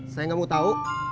saya nggak mau tahu